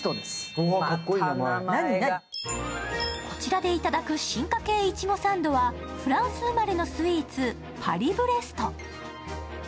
こちらでいただく進化系いちごサンドはフランス生まれのスイーツ、パリブレスト。